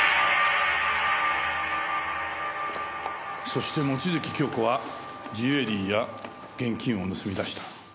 そして望月京子はジュエリーや現金を盗み出した。